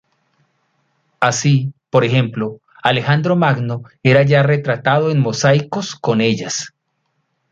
Así, por ejemplo, Alejandro Magno era ya retratado en mosaicos con ellas.